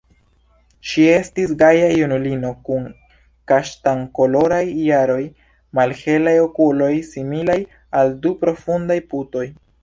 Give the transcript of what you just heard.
Ŝi estis gaja junulino kun kaŝtankoloraj haroj, malhelaj okuloj, similaj al du profundaj putoj.